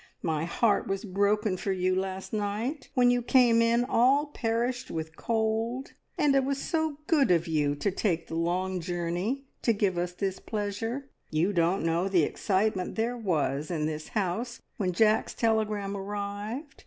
My heart was broken for you last night, when you came in all perished with cold. And it was so good of you to take the long journey to give us this pleasure. You don't know the excitement there was in this house when Jack's telegram arrived!